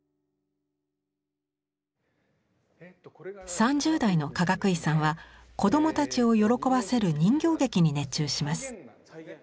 ３０代のかがくいさんは子どもたちを喜ばせる人形劇に熱中します。